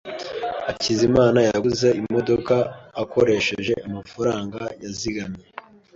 Hakizimana yaguze imodoka akoresheje amafaranga yazigamye.